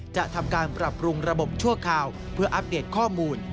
จะทำการปรับปรุงระบบชั่วคราวเพื่ออัปเดตข้อมูล